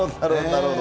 なるほど。